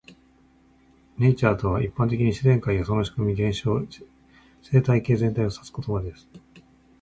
"Nature" とは、一般的に自然界やその仕組み、現象、生態系全体を指す言葉です。